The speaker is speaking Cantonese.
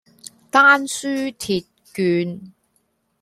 丹書鐵券